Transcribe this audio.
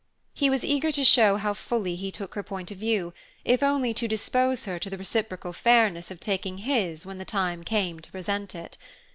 He was eager to show how fully he took her point of view, if only to dispose her to the reciprocal fairness of taking his when the time came to present it.